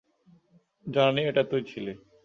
জানি এটা তুই ছিলি।